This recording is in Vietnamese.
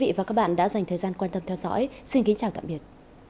quý vị và các bạn đã dành thời gian quan tâm theo dõi xin kính chào tạm biệt